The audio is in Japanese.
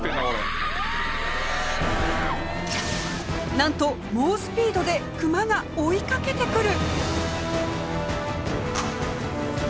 なんと猛スピードでクマが追いかけてくる！